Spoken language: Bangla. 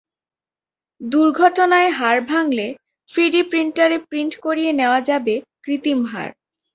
দুর্ঘটনায় হাড় ভাঙলে থ্রিডি প্রিন্টারে প্রিন্ট করিয়ে নেওয়া যাবে কৃত্রিম হাড়।